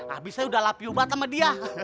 abisnya udah lapi ubat sama dia